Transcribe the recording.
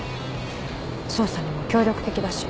捜査にも協力的だし。